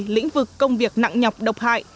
lĩnh vực công việc nặng nhọc độc hại